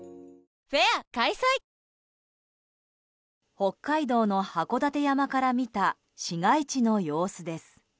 北海道の函館山から見た市街地の様子です。